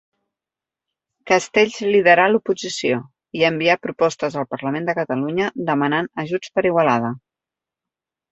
Castells liderà l'oposició, i envià propostes al Parlament de Catalunya demanant ajuts per Igualada.